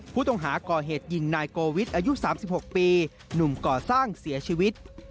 ผู้ต้องหาก่อเหตุยิงนายโกวิทอายุ๓๖ปีหนุ่มก่อสร้างเสียชีวิต